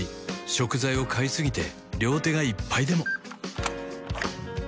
食材を買いすぎて両手がいっぱいでも